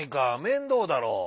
面倒だろう。